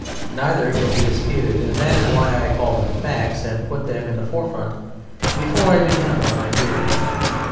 Neither can be disputed, and that is why I call them facts and put them in the forefront before I begin upon my theories.